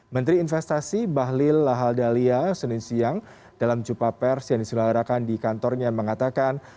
menteri investasi bahlil lahadalia senin siang dalam jumpa pers yang diselenggarakan di kantornya mengatakan